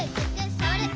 さわる！」